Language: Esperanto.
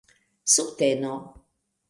subteno